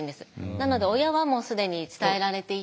なので親はもう既に伝えられていて。